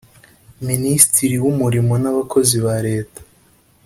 Minisitiri w’umurimo n’abakozi ba Leta